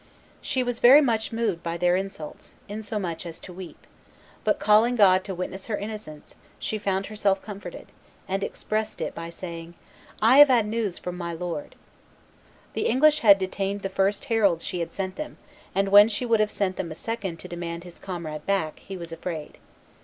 She was very much moved by their insults, insomuch as to weep; but calling God to witness her innocence, she found herself comforted, and expressed it by saying, "I have had news from my Lord." The English had detained the first herald she had sent them; and when she would have sent them a second to demand his comrade back, he was afraid.